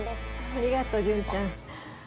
ありがとう純ちゃん。